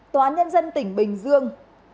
tòa án nhân dân tỉnh bình dương